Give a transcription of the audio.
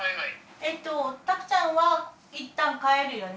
えっと拓ちゃんはいったん帰るよね？